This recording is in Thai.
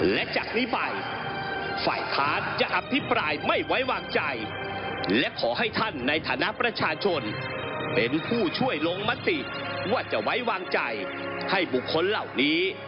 และจากนี้ไปฝ่ายค้านจะอภิปรายไม่ไว้วางใจและขอให้ท่านในฐานะประชาชนเป็นผู้ช่วยลงมติว่าจะไว้วางใจให้บุคคลเหล่านี้